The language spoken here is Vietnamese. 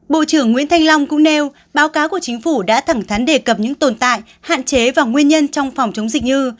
bộ trưởng nguyễn thanh long cũng nêu báo cáo của chính phủ đã thẳng thắn đề cập những tồn tại hạn chế và nguyên nhân trong phòng chống dịch như